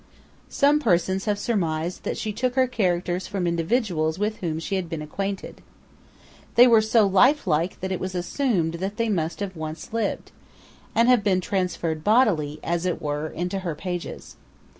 Some persons have surmised that she took her characters from individuals with whom she had been acquainted. They were so life like that it was assumed that they must once have lived, and have been transferred bodily, as it were, into her pages.